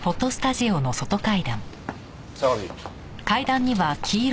榊。